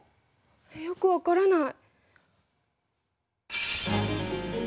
よく分からない。